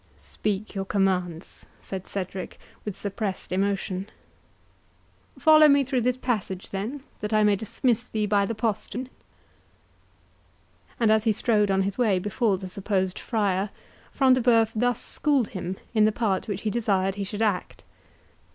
"Speak your commands," said Cedric, with suppressed emotion. "Follow me through this passage, then, that I may dismiss thee by the postern." And as he strode on his way before the supposed friar, Front de Bœuf thus schooled him in the part which he desired he should act.